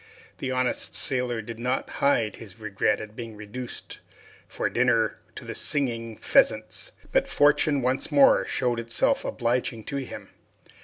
The honest sailor did not hide his regret at being reduced for dinner to the singing pheasants, but fortune once more showed itself obliging to him.